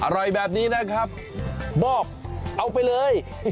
อร่อยแบบนี้นะครับบอกเอาไปเลย